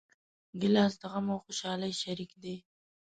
ګیلاس د غم او خوشحالۍ شریک دی.